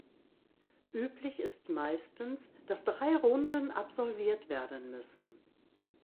Üblich ist meistens, dass drei Runden absolviert werden müssen.